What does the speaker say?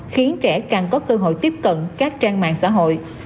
khiến trẻ càng có cơ hội tiếp cận các trang mạng xã hội